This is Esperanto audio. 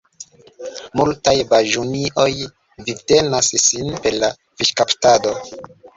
Multaj baĝunioj vivtenas sin per la fiŝkaptado.